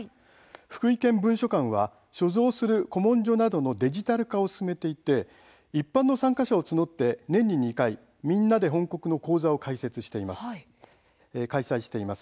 福井県文書館は所蔵する古文書のデジタル化を進めていて一般の参加者を募って年に２回「みんなで翻刻」の講座を開催しています。